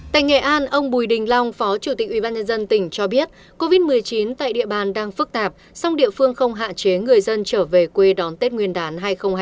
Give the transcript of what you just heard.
tại nghệ an ông bùi đình long phó chủ tịch ubnd tỉnh cho biết covid một mươi chín tại địa bàn đang phức tạp song địa phương không hạn chế người dân trở về quê đón tết nguyên đán hai nghìn hai mươi